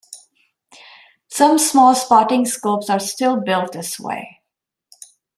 Some small spotting scopes are still built this way.